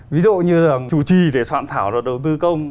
ví dụ như là chủ trì để soạn thảo luật đầu tư công